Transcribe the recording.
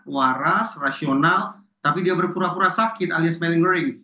waras rasional tapi dia berpura pura sakit alias melingering